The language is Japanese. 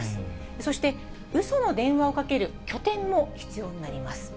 そして、うその電話をかける拠点も必要になります。